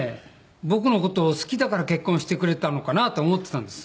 僕の事を好きだから結婚してくれたのかなと思ってたんです。